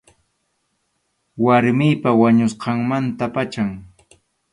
Warmiypa wañusqanmanta pacham.